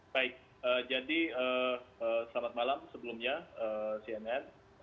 baik jadi selamat malam sebelumnya cnn